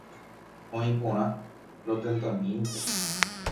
Oĩporã, rotentamínte.